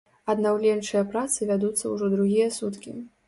Аднаўленчыя працы вядуцца ўжо другія суткі.